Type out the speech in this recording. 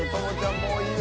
もういいよ。